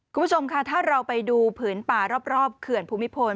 คุณผู้ชมค่ะถ้าเราไปดูผืนป่ารอบเขื่อนภูมิพล